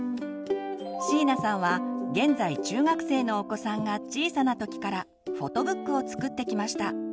椎名さんは現在中学生のお子さんが小さな時からフォトブックを作ってきました。